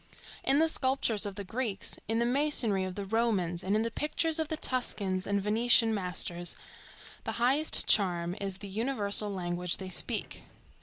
In the sculptures of the Greeks, in the masonry of the Romans, and in the pictures of the Tuscan and Venetian masters, the highest charm is the universal language they speak.